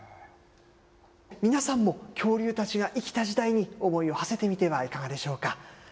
皆さんも、恐竜たちが生きた時代に思いをはせてみてはいかがでしょうか。